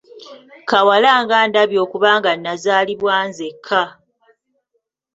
Kawala nga ndabye okuba nga nnazaalibwa nzekka!